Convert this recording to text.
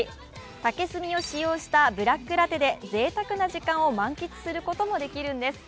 竹炭を利用したブラックラテでぜいたくな時間を満喫することもできるんです